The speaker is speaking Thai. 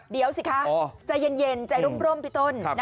เดี๋ยวสิคะใจเย็นใจร่มพี่ต้น